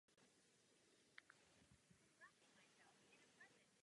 Netrvalo však dlouho a muzika se rozpadla.